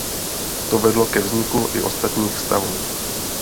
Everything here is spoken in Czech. To vedlo ke vzniku i ostatních stavů.